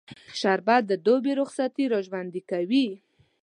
شربت د دوبی رخصتي راژوندي کوي